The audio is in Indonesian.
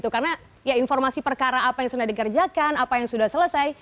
karena informasi perkara apa yang sudah dikerjakan apa yang sudah selesai